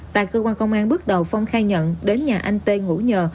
tại cơ quan công an bước đầu phong khai nhận đến nhà anh tên ngủ nhờ